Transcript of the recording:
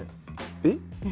えっ？